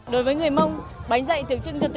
đối với người mông bánh dày tự trưng cho tình yêu